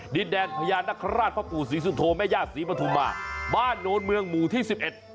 ดินแดงพญานคราชพ่อปู่ศรีสุโธแม่ย่าศรีปฐุมาบ้านโนนเมืองหมู่ที่สิบเอ็ด